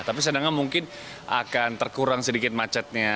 tapi sedangkan mungkin akan terkurang sedikit macetnya